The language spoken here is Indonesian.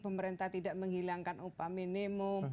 pemerintah tidak menghilangkan upah minimum